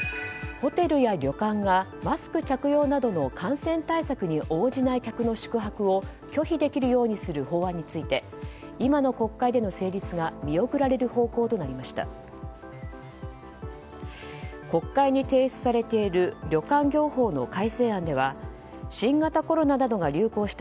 ホテルや旅館がマスク着用などの感染対策に応じない客の宿泊を拒否できるようにする法案について今の国会での成立が見送られる方向となりました。